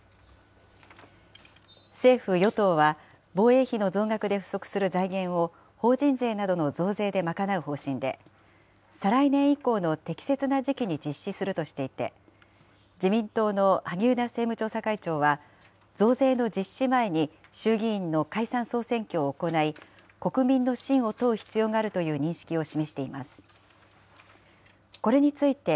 政府・与党は防衛費の増額で不足する財源を法人税などの増税で賄う方針で、再来年以降の適切な時期に実施するとしていて、自民党の萩生田政務調査会長は、増税の実施前に衆議院の解散・総選挙を行い、国民の信を問う必要があるという認識を示しています。